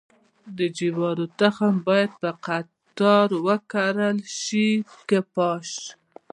د جوارو تخم باید په قطار وکرل شي که پاش؟